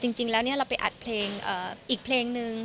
จริงแล้วเราไปอัดเพลงอีกเพลงนึง